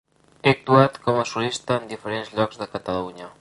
Ha actuat com a solista en diferents llocs de Catalunya.